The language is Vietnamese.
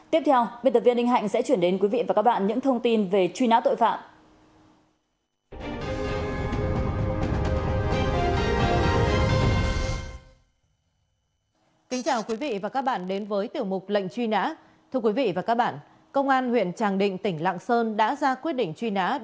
tiếp theo bệnh tập viên đinh hạnh sẽ chuyển đến quý vị và các bạn những thông tin về truy nã